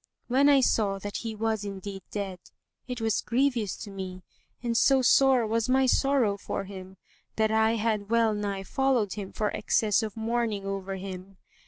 When I saw that he was indeed dead, it was grievous to me and so sore was my sorrow for him that I had well nigh followed him for excess of mourning over him.